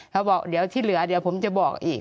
เขาบอกเดี๋ยวที่เหลือเดี๋ยวผมจะบอกอีก